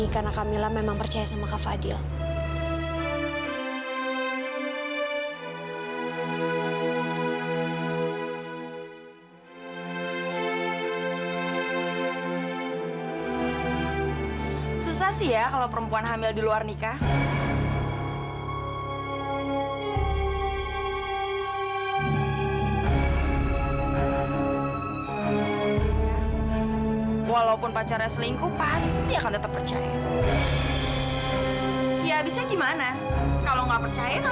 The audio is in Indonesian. ya udah kalau gitu kamu harus nyateng perasaan kamu sama aku